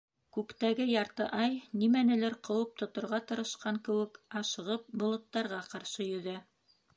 Күктәге ярты ай, нимәнелер ҡыуып тоторға тырышҡан кеүек ашығып, болоттарға ҡаршы йөҙә.